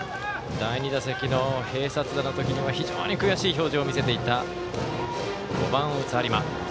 第２打席の併殺打のときにも非常に悔しい表情を見せていた５番を打つ有馬。